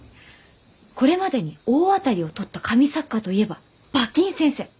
これまでに大当たりをとった神作家といえば馬琴先生！